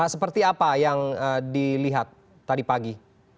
seperti apa yang dilihat tadi pagi